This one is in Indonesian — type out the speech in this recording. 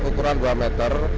ukuran dua meter